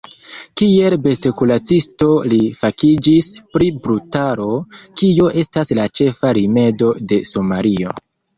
Kiel bestkuracisto li fakiĝis pri brutaro, kio estas la ĉefa rimedo de Somalio.